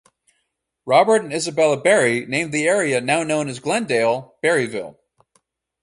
Robert and Isabella Berry named the area now known as Glendale, Berryville.